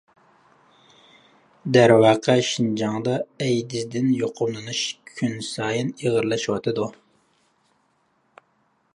دەرۋەقە، شىنجاڭدا ئەيدىزدىن يۇقۇملىنىش كۈنسايىن ئېغىرلىشىۋاتىدۇ.